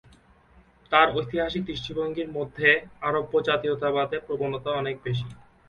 তার ঐতিহাসিক দৃষ্টিভঙ্গির মধ্যে, আরব্য জাতীয়তাবাদের প্রবণতা অনেক বেশি।